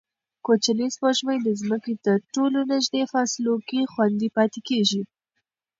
کوچنۍ سپوږمۍ د ځمکې تر ټولو نږدې فاصلو کې خوندي پاتې کېږي.